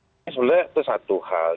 sebenarnya itu satu hal